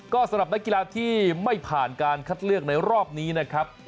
ก็สำหรับนักกีฬาที่ไม่ผ่านการคัดเลือกในรอบนี้นะครับ